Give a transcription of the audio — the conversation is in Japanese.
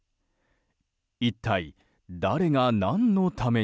一体誰が何のために？